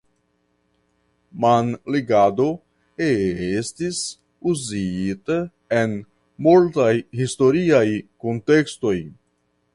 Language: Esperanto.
Mamligado estis uzita en multaj historiaj kuntekstoj.